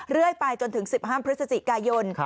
เรื่อยไปจนถึง๑๕พฤศจิกายน